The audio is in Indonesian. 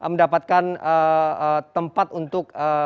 mendapatkan tempat untuk